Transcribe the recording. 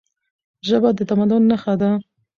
ژبه د تمدن نښه ده.